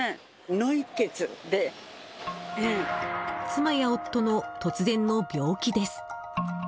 妻や夫の突然の病気です。